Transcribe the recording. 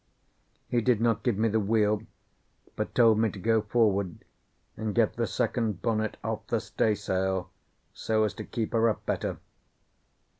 He did not give me the wheel, but told me to go forward and get the second bonnet off the staysail, so as to keep her up better.